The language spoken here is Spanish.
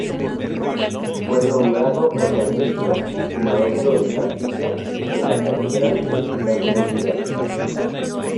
Fue nombrado organista y maestro de Capilla de la Catedral de Ciudad Bolívar.